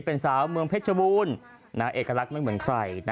เป็นสาวเมืองเพชรบูรณ์เอกลักษณ์ไม่เหมือนใคร